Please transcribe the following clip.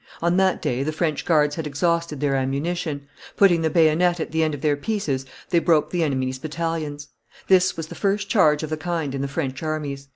On that day the French guards had exhausted their ammunition; putting the bayonet at the end of their pieces they broke the enemy's battalions; this was the first charge of the kind in the French armies.